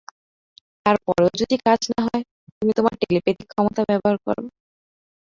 তার পরেও যদি কাজ না হয় তুমি তোমার টেলিপ্যাথিক ক্ষমতা ব্যবহার করো।